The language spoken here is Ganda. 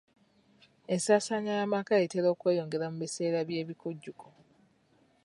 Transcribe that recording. Ensaansaanya y'amaka etera okweyongera mu biseera by'ebikujjuko.